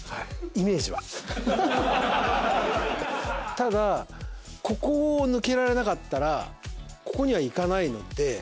ただここを抜けられなかったらここにはいかないので。